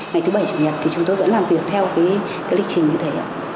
ngày thứ bảy chủ nhật thì chúng tôi vẫn làm việc theo cái lịch trình như thế